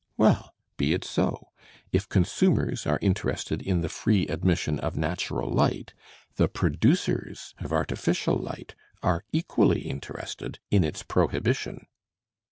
Well, be it so; if consumers are interested in the free admission of natural light, the producers of artificial light are equally interested in its prohibition.